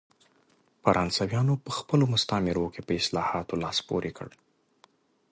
فرانسویانو په خپلو مستعمرو کې په اصلاحاتو لاس پورې کړ.